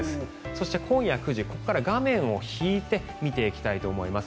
そして今夜９時ここから画面を引いて見ていきたいと思います。